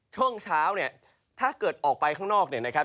ช่วงเช้าเนี่ยถ้าเกิดออกไปข้างนอกเนี่ยนะครับ